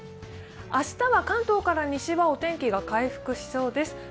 明日は関東から西はお天気が回復しそうです。